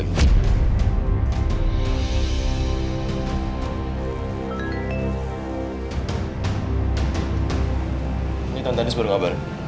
ini tante andis baru ngabar